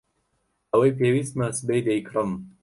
ئەوەی پێویستمە سبەی دەیکڕم.